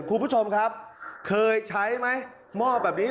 คุณผู้ชมครับเคยใช้ไหมหม้อแบบนี้